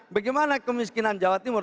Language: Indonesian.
bagaimana kemiskinan jawa timur